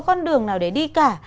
con đường nào để đi cả